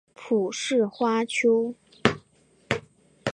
蒲氏花楸